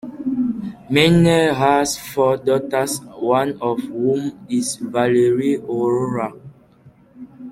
Meinel has four daughters, one of whom is Valerie Aurora.